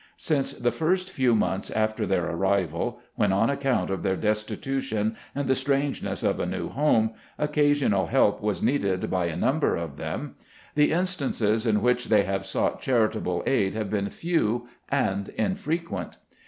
Since the first few months after their arrival — when, on account of their desti tution and the strangeness of a new home, occa sional help was needed by a number of them — the instances in which they have sought charitable aid have been few and infrequent.